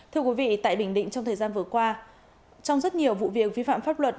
thưa quý vị tại bình định trong thời gian vừa qua trong rất nhiều vụ việc vi phạm pháp luật